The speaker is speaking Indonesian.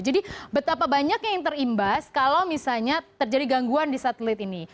jadi betapa banyak yang terimbas kalau misalnya terjadi gangguan di satelit ini